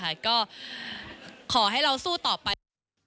ก็ขอให้เราสู้ต่อไป